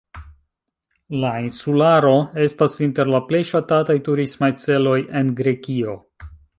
La insularo estas inter la plej ŝatataj turismaj celoj en Grekio.